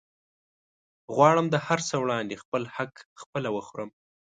غواړم د هرڅه وړاندې خپل حق خپله وخورم